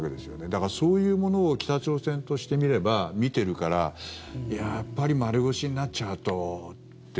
だから、そういうものを北朝鮮としてみれば見ているからやっぱり丸腰になっちゃうとって。